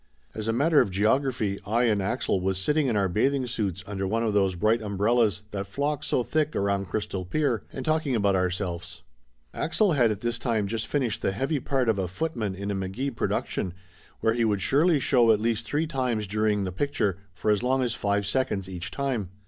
As a matter of geography, I and Axel was sitting in our bathing suits under one of those bright um brellas that flock so thick around Crystal Pier, and talking about ourselfs. Axel had at this time just finished the heavy part of a footman in a McGee pro duction where he would surely show at least three times during the picture, for as long as five seconds each time.